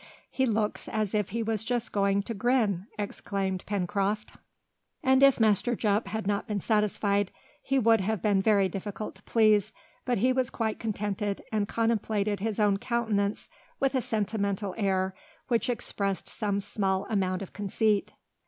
"He looks as if he was just going to grin!" exclaimed Pencroft. And if Master Jup had not been satisfied, he would have been very difficult to please, but he was quite contented, and contemplated his own countenance with a sentimental air which expressed some small amount of conceit.